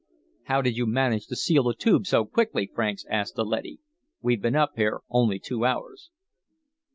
"How did you manage to seal the Tube so quickly?" Franks asked the leady. "We've been up here only two hours."